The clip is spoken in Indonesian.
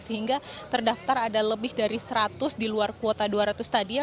sehingga terdaftar ada lebih dari seratus di luar kuota dua ratus tadi ya